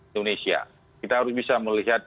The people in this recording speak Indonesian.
indonesia kita harus bisa melihat